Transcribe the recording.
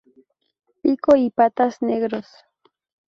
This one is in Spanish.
Pico y patas negros.